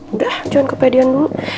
udah jangan kepedian dulu